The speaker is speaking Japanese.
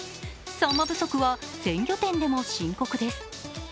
さんま不足は鮮魚店でも深刻です。